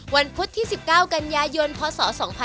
วันพุธ๑๙กันยายนพศ๒๕๖๑